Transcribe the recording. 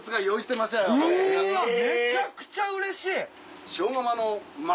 うわめちゃくちゃうれしい！